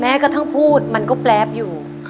กระทั่งพูดมันก็แป๊บอยู่